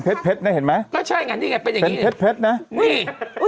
เพชรนะเห็นไหมตั๋วใช้งานดีกันเป็นแบบเ฻็ดนะนี่อุ้ย